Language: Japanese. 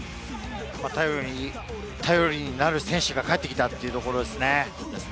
頼りになる選手が帰ってきたというところですね。